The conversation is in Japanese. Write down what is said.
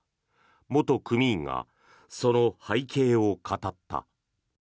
元組員がその背景を語った。